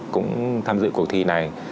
cũng tham dự cuộc thi này